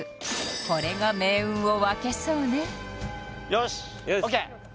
これが命運を分けそうねよしＯＫ